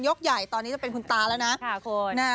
ใหญ่ตอนนี้จะเป็นคุณตาแล้วนะ